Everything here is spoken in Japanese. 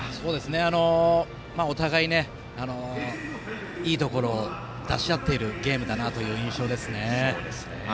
お互いいいところを出し合っているゲームだなという印象ですね。